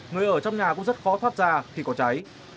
người ở trong nhà cũng rất khó thoát ra khi có cháy